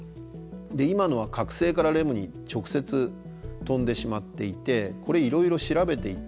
今のは覚醒からレムに直接飛んでしまっていてこれいろいろ調べていったらですね